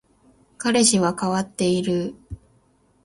彼氏は変わっている